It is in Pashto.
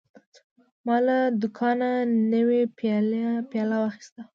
ما له دوکانه نوی پیاله واخیسته.